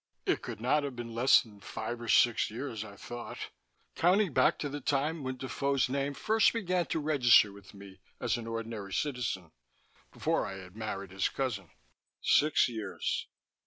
It could not have been less than five or six years, I thought, counting back to the time when Defoe's name first began to register with me as an ordinary citizen, before I had married his cousin. Six years.